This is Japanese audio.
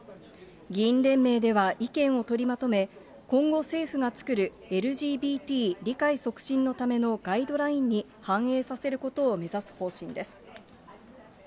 議員連盟では意見を取りまとめ、今後、政府が作るＬＧＢＴ理解促進のためのガイドラインに反映させることを目指す方針です。